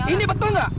ini betul gak